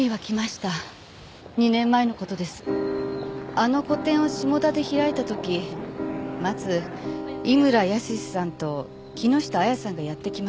あの個展を下田で開いた時まず井村泰さんと木下亜矢さんがやって来ました。